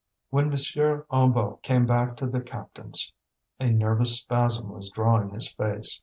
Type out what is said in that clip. When M. Hennebeau came back to the captains a nervous spasm was drawing his face.